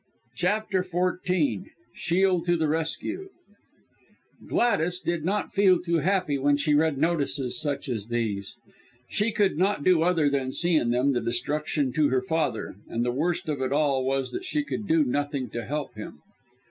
CHAPTER XIV SHIEL TO THE RESCUE Gladys did not feel too happy when she read notices such as these; she could not do other than see in them destruction to her father, and the worst of it all was she could do nothing to help him.